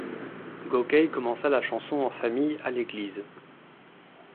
Gokey commença la chanson en famille, à l'église.